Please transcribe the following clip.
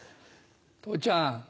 父ちゃん